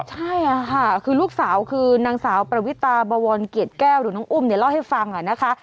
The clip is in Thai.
ได้อะค่ะคือนางสาวประวิตาบวรเกียรติแก้วหรือน้องอุ้มเล่าให้ฟังนะคะ